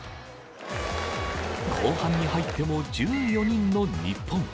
後半に入っても１４人の日本。